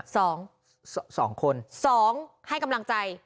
สองสองคนสองให้กำลังใจ